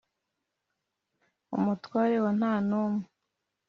umutware wa ntanumwe